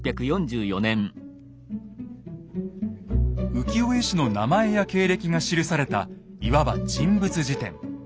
浮世絵師の名前や経歴が記されたいわば人物辞典。